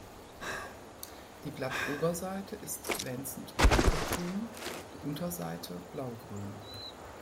Die Blattoberseite ist glänzend dunkelgrün, die Unterseite blaugrün.